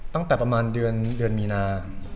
ตั้งแต่ประมาณเดือนมีนา